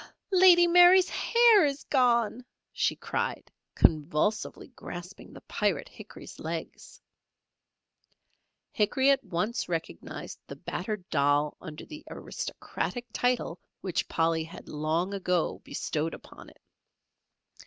"Lady Mary's hair's gone!" she cried, convulsively grasping the Pirate Hickory's legs. Hickory at once recognised the battered doll under the aristocratic title which Polly had long ago bestowed upon it.